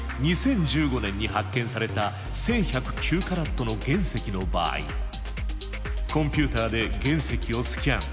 ２０１５年に発見された１，１０９カラットの原石の場合コンピューターで原石をスキャン。